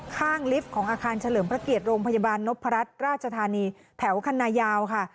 ลิฟต์ของอาคารเฉลิมพระเกียรติโรงพยาบาลนพรัชราชธานีแถวคันนายาวค่ะ